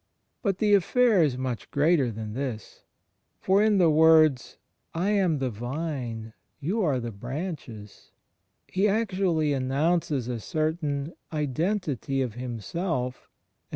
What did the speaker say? But the affair is much greater than this. For in the words "I am the Vine, you the branches"* He actually announces a certain identity of Himself — and not ^Matt.